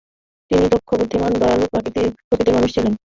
তিনি দক্ষ, বুদ্ধিমান, দয়ালু প্রকৃতির মানব ছিলেন।